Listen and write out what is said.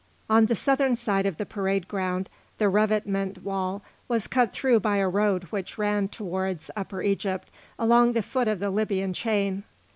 On the southern side of the parade ground the revetment wall was cut through by a road which ran towards Upper Egypt along the foot of the Libyan chain.